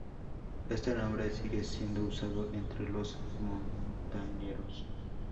Este nombre sigue siendo usado entre los montañeros.